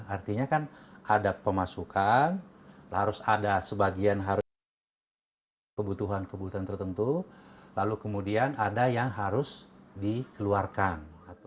artinya kan ada pemasukan harus ada sebagian harus kebutuhan kebutuhan tertentu lalu kemudian ada yang harus dikeluarkan